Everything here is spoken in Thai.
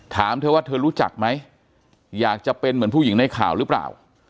ถามเธอว่าเธอรู้จักไหมอยากจะเป็นเหมือนผู้หญิงในข่าวหรือเปล่า